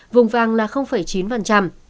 vùng vàng là chín